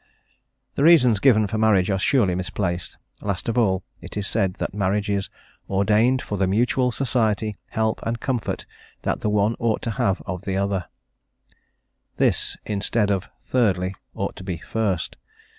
The reasons given for marriage are surely misplaced; last of all, it is said that marriage is "ordained for the mutual society, help, and comfort that the one ought to have of the other;" this, instead of "thirdly," ought to be "first."